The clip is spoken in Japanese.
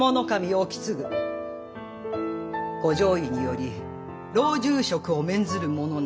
意次ご上意により老中職を免ずるものなり。